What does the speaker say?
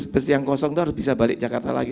bus yang kosong itu harus bisa balik jakarta lagi